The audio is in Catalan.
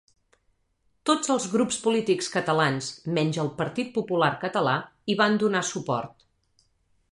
Tots els grups polítics catalans menys el Partit Popular Català hi van donar suport.